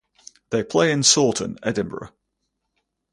They play in Saughton, Edinburgh.